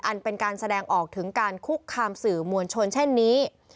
อันเป็นการแสดงออกถึงการคุกคามสื่อมวลชนเช่นนี้